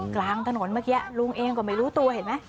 กลางถนนเมื่อกี้ลุงเองก็ไม่รู้ตัวเห็นไหม